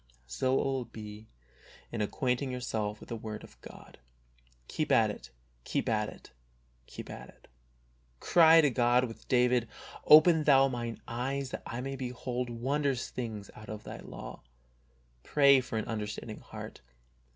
So it will be in acquainting yourself with the Word of God. Keep at it, keep at it, keep at it ! Cry to God with David, " Open Thou mine eyes that I may behold wondrous things out of Thy law." Pray for an understanding heart.